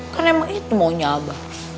kan emang itu maunya apa